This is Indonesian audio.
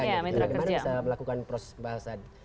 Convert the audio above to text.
bagaimana bisa melakukan proses pembahasan